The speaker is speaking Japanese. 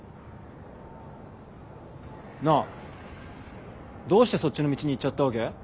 なあどうしてそっちの道に行っちゃったわけ？